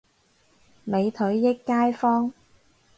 美腿益街坊